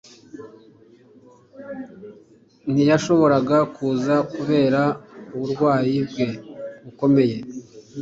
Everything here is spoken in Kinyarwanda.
Ntiyashoboraga kuza kubera uburwayi bwe bukomeye.